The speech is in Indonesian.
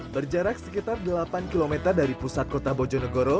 berjarak sekitar delapan km dari pusat kota bojonegoro